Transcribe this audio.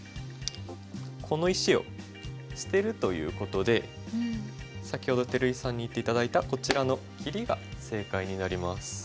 この石を捨てるということで先ほど照井さんに言って頂いたこちらの切りが正解になります。